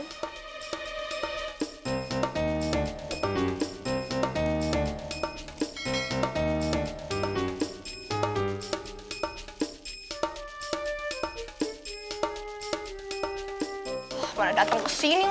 wah mana dateng kesini lagi